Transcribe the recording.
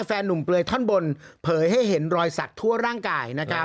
หนุ่มเปลือยท่อนบนเผยให้เห็นรอยสักทั่วร่างกายนะครับ